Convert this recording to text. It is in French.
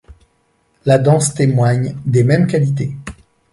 La danse témoigne des mêmes qualités.